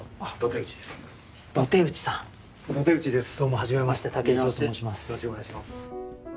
よろしくお願いします